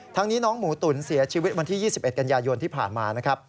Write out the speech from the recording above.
นี้น้องหมูตุ๋นเสียชีวิตวันที่๒๑กันยายนที่ผ่านมานะครับ